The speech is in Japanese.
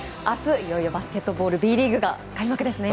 いよいよバスケットボールＢリーグが開幕ですね。